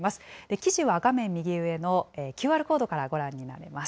記事は画面右上のＱＲコードからご覧になれます。